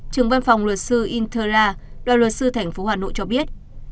trường văn phòng luật sư interla đoàn luật sư thành phố hà nội cho biết